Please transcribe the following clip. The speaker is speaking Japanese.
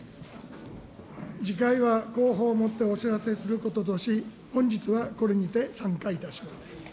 次回は公報をもってお知らせすることとし、本日はこれにて散会いたします。